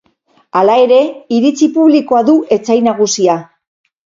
Hala ere, iritzi publikoa du etsai nagusia.